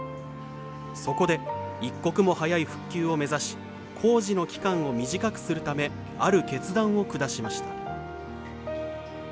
そこで一刻も早い復旧を目指し工事の期間を短くするためある決断を下しました。